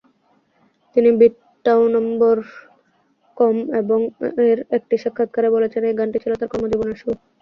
তিনি বিট-টাউনম্বর কম এর একটি সাক্ষাৎকারে বলেছেন "এই গানটি ছিল তার কর্মজীবনের শুরু"।